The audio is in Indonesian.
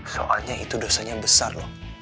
soalnya itu dosanya besar loh